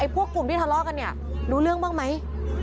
พวกกลุ่มที่ทะเลาะกันเนี่ยรู้เรื่องบ้างไหม